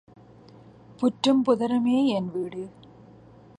புற்றும் புதருமே envied.